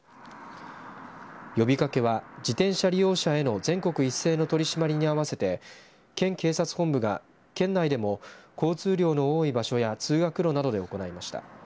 呼びかけは自転車利用者への全国一斉の取り締まりに合わせて県警察本部が県内でも交通量の多い場所や通学路などで行いました。